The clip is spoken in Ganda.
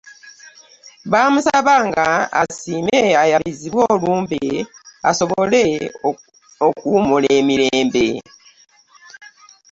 Baamusabanga asiime ayabizibwe olumbe asobole oluwummula emirembe.